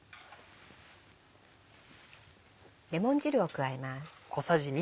レモン汁を加えます。